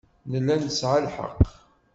Nella nesɛa lḥeqq.